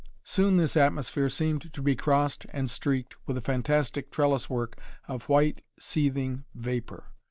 Soon this atmosphere seemed to be crossed and streaked with a fantastic trellis work of white, seething vapor.